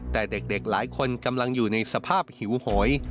แต่เด็กหลายคนกำลังอยู่ในสภาพหิวโหย